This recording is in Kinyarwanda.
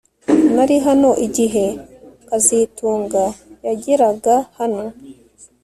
Nari hano igihe kazitunga yageraga hano